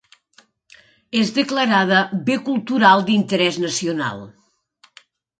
És declarada bé cultural d'interès nacional.